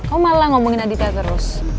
kamu malah ngomongin aditnya terus